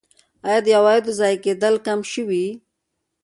آیا د عوایدو ضایع کیدل کم شوي؟